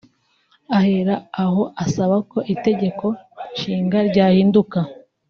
ahera aho asaba ko Itegeko Nshinga ryahinduka